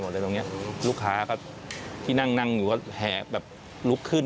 อะไรตรงเนี้ยลูกค้าก็ที่นั่งนั่งอยู่ก็แห่แบบลุกขึ้น